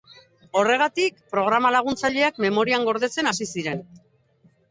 Horregatik, programa laguntzaileak memorian gordetzen hasi ziren.